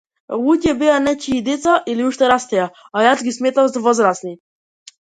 Луѓе беа нечии деца или уште растеа, а јас ги сметав за возрасни.